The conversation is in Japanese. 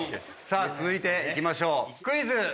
続いて行きましょうクイズ！